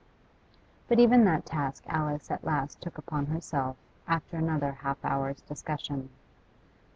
But even that task Alice at last took upon herself, after another half hour's discussion.